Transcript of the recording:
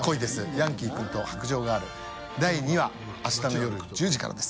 ヤンキー君と白杖ガール」茖河あしたの夜１０時からです